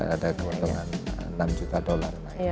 ada keuntungan enam juta dolar naik